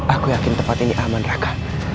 aku yakin tempat ini aman raka